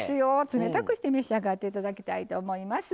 冷たくして召し上がって頂きたいと思います。